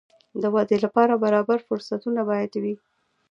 د ودې لپاره برابر فرصتونه باید وي.